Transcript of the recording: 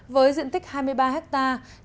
với diện tích hai mươi ba hectare